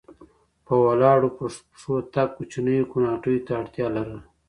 په ولاړو پښو تګ کوچنیو کوناټیو ته اړتیا لرله.